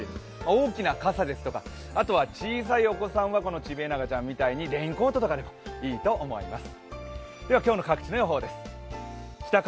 大きな傘ですとか、小さいお子さんはチビエナガちゃんみたいにレインコートとかでもいいと思います。